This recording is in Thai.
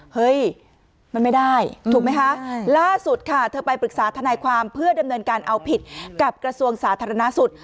เฮ้ยมันไม่ได้ถูกไหมคะล่าสุดค่ะเธอไปปรึกษาทนายความเพื่อดำเนินการเอาผิดกับกระทรวงสาธารณสุข